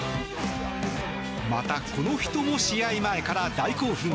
また、この人も試合前から大興奮。